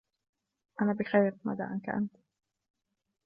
انا بخير ماذا عنك انت ؟